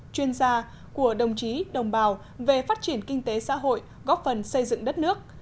chuyên gia của đồng chí đồng bào về phát triển kinh tế xã hội góp phần xây dựng đất nước